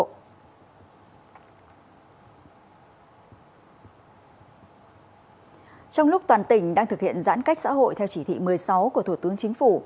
trong lúc toàn tỉnh đang thực hiện giãn cách xã hội theo chỉ thị một mươi sáu của thủ tướng chính phủ